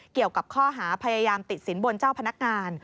เกี่ยวกับข้อหาพยายามติดสินบนเจ้าพนักงาน